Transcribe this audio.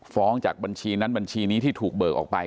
จากบัญชีนั้นบัญชีนี้ที่ถูกเบิกออกไป